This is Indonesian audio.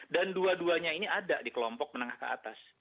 dan dua duanya ini ada di kelompok menengah ke atas